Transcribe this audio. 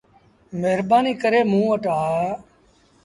مهربآنيٚ ڪري موݩ وٽ آ۔